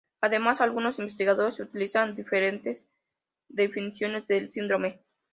Además, algunos investigadores utilizan diferentes definiciones del síndrome.